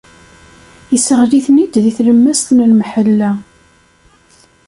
Isseɣli-ten-id di tlemmast n lemḥella.